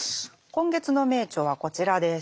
今月の名著はこちらです。